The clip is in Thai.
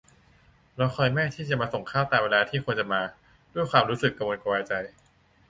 รอคอยแม่ที่จะมาส่งข้าวตามเวลาที่ควรจะมา ด้วยความรู้สึกกระวนกระวายใจ